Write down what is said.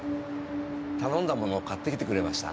頼んだもの買って来てくれました？